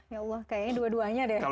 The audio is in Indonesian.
ya allah kayaknya dua duanya deh